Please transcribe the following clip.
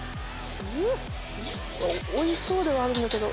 おいしそうではあるんだけど。